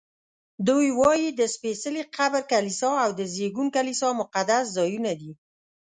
دوی وایي د سپېڅلي قبر کلیسا او د زېږون کلیسا مقدس ځایونه دي.